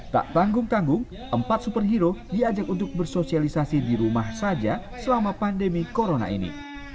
tak tanggung tanggung empat superhero diajak untuk bersosialisasi di rumah saja selama pandemi corona ini